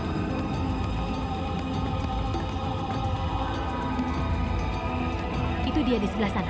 sendiri zumbi sekarang ini jangan main perasaanmu kamu harus bisa mengagalkannya ya